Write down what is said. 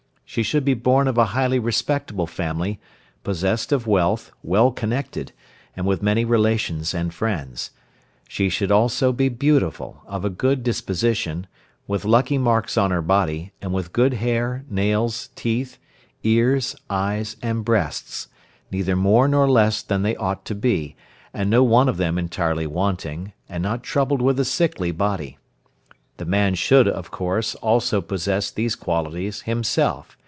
She should be born of a highly respectable family, possessed of wealth, well connected, and with many relations and friends. She should also be beautiful, of a good disposition, with lucky marks on her body, and with good hair, nails, teeth, ears, eyes, and breasts, neither more nor less than they ought to be, and no one of them entirely wanting, and not troubled with a sickly body. The man should, of course, also possess these qualities himself.